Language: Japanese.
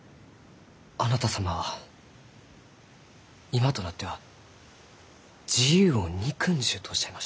あなた様は今となっては自由を憎んじゅうとおっしゃいました。